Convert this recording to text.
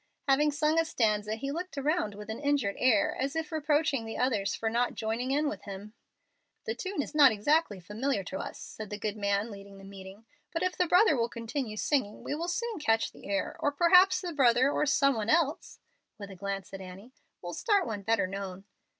Having sung a stanza he looked around with an injured air, as if reproaching the others for not joining in with him. "The tune is not exactly familiar to us," said the good man leading the meeting, "but if the brother will continue singing we will soon catch the air; or perhaps the brother or some one else (with a glance at Annie) will start one better known."